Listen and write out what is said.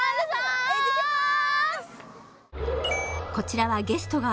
行ってきまーす！